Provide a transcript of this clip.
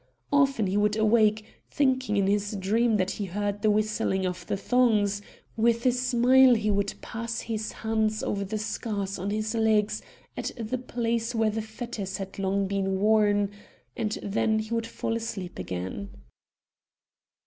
Often he would awake, thinking in his dreams that he heard the whistling of the thongs; with a smile he would pass his hands over the scars on his legs at the place where the fetters had long been worn, and then he would fall asleep again.